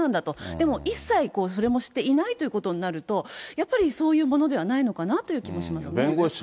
でも一切、それもしていないということになると、やっぱりそういうものではないのかなという気もしますね。